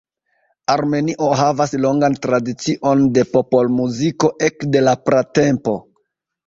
Armenio havas longan tradicion de popolmuziko ekde la pratempo.